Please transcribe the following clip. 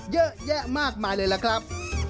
เยอะแยะมากมายเลยล่ะครับ